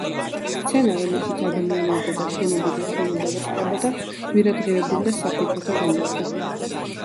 სცენა, რომელშიც ადამიანი ობობა შენობიდან შენობაზე ხტებოდა, ძვირადღირებული და სახიფათო გამოდგა.